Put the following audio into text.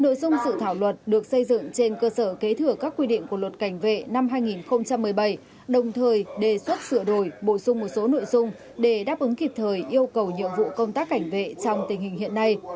nội dung sự thảo luật được xây dựng trên cơ sở kế thừa các quy định của luật cảnh vệ năm hai nghìn một mươi bảy đồng thời đề xuất sửa đổi bổ sung một số nội dung để đáp ứng kịp thời yêu cầu nhiệm vụ công tác cảnh vệ trong tình hình hiện nay